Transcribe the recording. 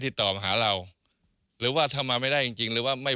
ติดต่อมาหาเราหรือว่าถ้ามาไม่ได้จริงจริงหรือว่าไม่